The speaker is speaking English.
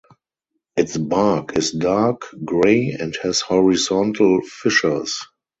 Its bark is dark grey and has horizontal fissures.